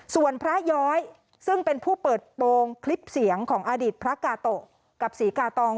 ส่วนพระย้อยซึ่งเป็นผู้เปิดโปรงคลิปเสียงของอดีตพระกาโตะกับศรีกาตอง